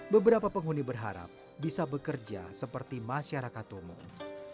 beberapa penghuni berharap bisa bekerja seperti masyarakat umum